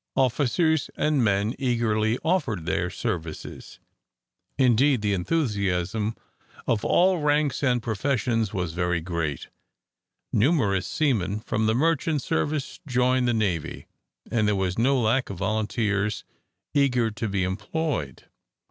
Officers and men eagerly offered their services; indeed the enthusiasm of all ranks and professions was very great. Numerous seamen from the merchant service joined the navy, and there was no lack of volunteers eager to be employed.